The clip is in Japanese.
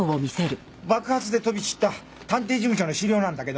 爆発で飛び散った探偵事務所の資料なんだけどね。